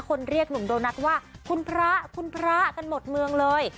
คนเรียกหนุ่มโดนัทว่าคุณพระคุณพระกันหมดเมืองเลย